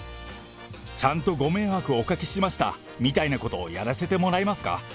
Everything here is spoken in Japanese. ちゃんとご迷惑をおかけしましたみたいなことをやらせてもらえますか？